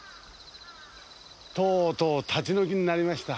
とうとう立ち退きになりました。